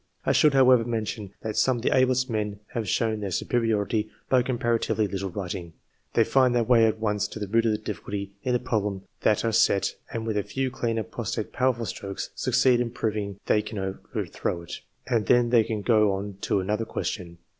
I should, however, mention that some of the ablest men have shown their superiority by comparatively little writing. They find their way at once to the root of the difficulty in the problems that are set, and, with a few clean, apposite, powerful strokes, succeed in proving they can overthrow it, c that beca 18 CLASSIFICATION OF MEN and then they go on to another question.